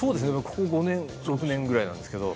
ここ５年６年ぐらいですけど。